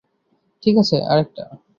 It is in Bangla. ঠিক আছে, আর একটা।